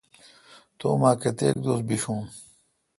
تو امں کیتک دوس بشون۔